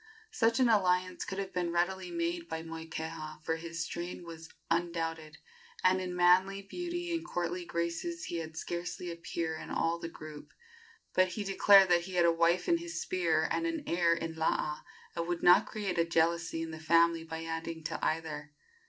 Such an alliance could have been readily made by Moikeha, for his strain was undoubted, and in manly beauty and courtly graces he had scarcely a peer in all the group; but he declared that he had a wife in his spear and an heir in Laa, and would not create a jealousy in the family by adding to either.